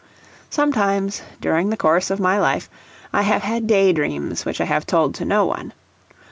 Sometimes, during the course of my life, I have had day dreams which I have told to no one.